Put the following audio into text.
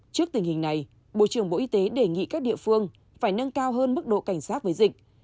trước tình hình này bộ trưởng bộ y tế đề nghị các địa phương phải nâng cao hơn mức độ cảnh sát với dịch